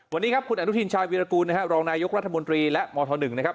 วันนี้ครับคุณอนุทินชายวีรกูลนะครับรองนายกรัฐมนตรีและมธ๑นะครับ